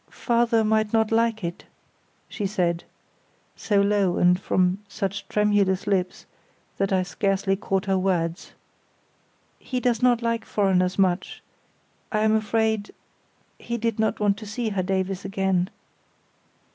"Father might not like it," she said, so low and from such tremulous lips that I scarcely caught her words. "He does not like foreigners much. I am afraid ... he did not want to see Herr Davies again."